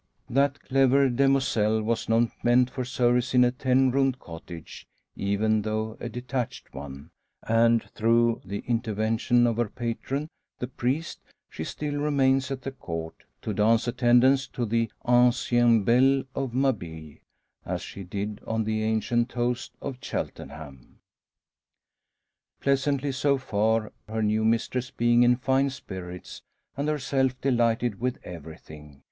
That clever demoiselle was not meant for service in a ten roomed cottage, even though a detached one; and through the intervention of her patron, the priest, she still remains at the Court, to dance attendance on the ancien belle of Mabille, as she did on the ancient toast of Cheltenham. Pleasantly so far; her new mistress being in fine spirits, and herself delighted with everything.